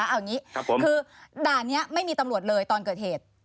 เอาอย่างนี้คือด่านนี้ไม่มีตำรวจเลยตอนเกิดเหตุ